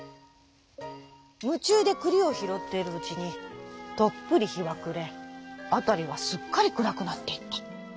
むちゅうでくりをひろっているうちにとっぷりひはくれあたりはすっかりくらくなっていった。